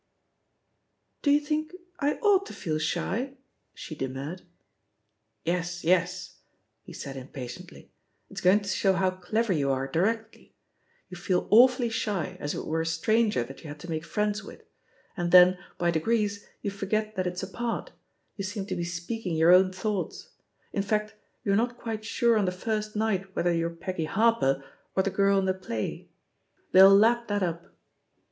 'Do you think I ought to feel 'shfV she d^nurred. "Yes, yes," he said impatiently; *'it*s going to show how clever you are directly. You feel aw fully shy, as if it were a stranger that you had to make friends with; and then, hy degrees, yoo forget that it's a part — ^you seem to he speaking your own thoughts. In fact, you're not quite sure on the first night whether you're Peggy Harper, or the girl in the play. ..^. They'll lap that up."